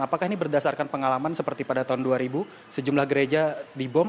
apakah ini berdasarkan pengalaman seperti pada tahun dua ribu sejumlah gereja dibom